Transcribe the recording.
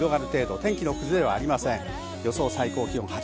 天気の崩れはありません。